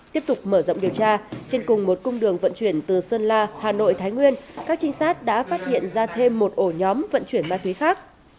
tiếp tục mở rộng điều tra trên cùng một cung đường vận chuyển từ sơn la hà nội thái nguyên các trinh sát đã phát hiện ra thêm một ổ nhóm vận chuyển ma túy khác